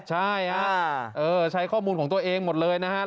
ใช่ฮะใช้ข้อมูลของตัวเองหมดเลยนะครับ